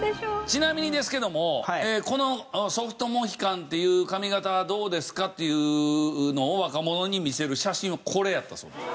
ちなみにですけどもこのソフトモヒカンっていう髪形どうですかっていうのを若者に見せる写真はこれやったそうです。